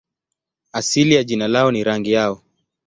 Asili ya jina lao ni rangi yao.